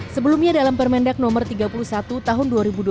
sebelumnya dalam permendag no tiga puluh satu tahun dua ribu dua puluh